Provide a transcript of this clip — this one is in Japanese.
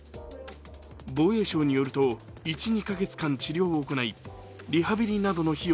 防衛省によると、１か２ヶ月間治療を行い、リハビリなどの費用